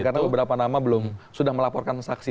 karena beberapa nama belum sudah melaporkan saksi